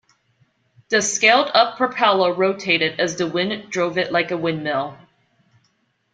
The scaled-up propeller rotated as the wind drove it like a windmill.